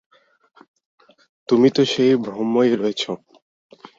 তুমি তো সেই ব্রহ্মই রয়েছ।